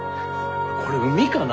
これ海かな？